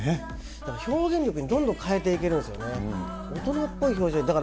表現力にどんどん変えていけるんですよね、大人っぽい表情に。